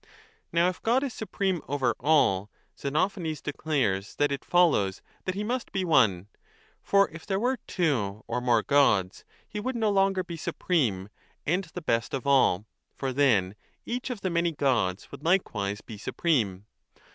Now if God is supreme over all, Xenophanes declares that it follows that he must be one. For if there were two or more gods, he would no longer be supreme and the best 25 of all ; for then each of the many gods would likewise be supreme.